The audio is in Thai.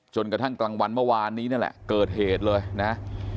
จนกระทั่งกลางวันเมื่อวานนี้นี่แหละเกิดเหตุเลยนะ